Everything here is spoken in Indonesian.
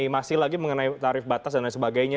masih lagi mengenai tarif batas dan lain sebagainya